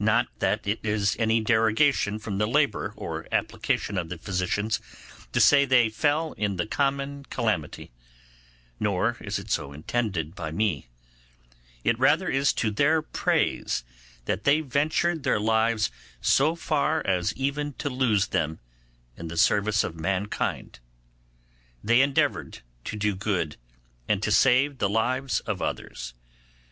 Not that it is any derogation from the labour or application of the physicians to say they fell in the common calamity; nor is it so intended by me; it rather is to their praise that they ventured their lives so far as even to lose them in the service of mankind. They endeavoured to do good, and to save the lives of others.